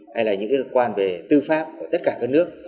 hay là những cơ quan về tư pháp của tất cả các nước